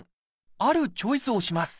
あるチョイスをします。